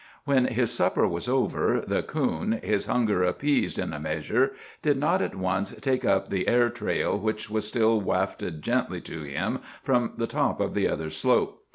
When his supper was over, the coon, his hunger appeased in a measure, did not at once take up the air trail which was still wafted gently to him from the top of the other slope.